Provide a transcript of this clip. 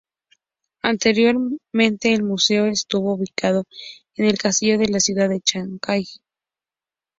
Anteriormente el museo estuvo ubicado en el Castillo de la ciudad de Chancay.